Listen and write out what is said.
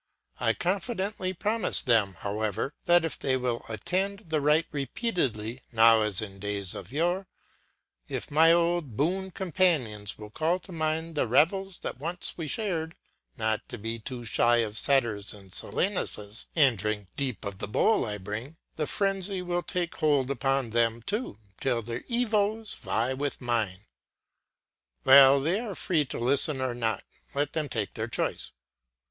I confidently promise them, however, that if they will attend the rite repeatedly now as in days of yore, if my old boon companions p. 255 will call to mind the revels that once we shared, not be too shy of satyrs and Silenuses, and drink deep of the bowl I bring, the frenzy shall take hold upon them too, till their evoes vie with mine. 6Well, they are free to listen or not; let them take their choice.